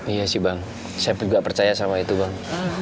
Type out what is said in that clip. iya sih bang saya juga percaya sama itu bang